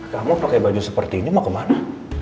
kamu pakai baju seperti ini mau kemana